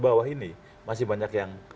bawah ini masih banyak yang